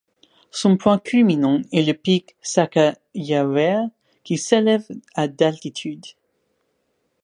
Son point culminant est le pic Sacajawea qui s'élève à d'altitude.